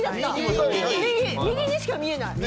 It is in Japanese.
右にしか見えない。